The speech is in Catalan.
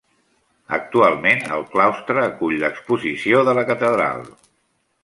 Actualment el claustre acull l'exposició de la Catedral.